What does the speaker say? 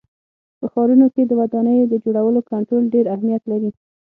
په ښارونو کې د ودانیو د جوړولو کنټرول ډېر اهمیت لري.